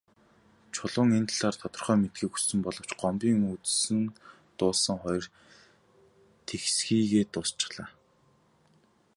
Чулуун энэ талаар тодорхой мэдэхийг хүссэн боловч Гомбын үзсэн дуулсан хоёр тэгсхийгээд дуусчихлаа.